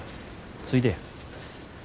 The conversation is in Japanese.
ついでや。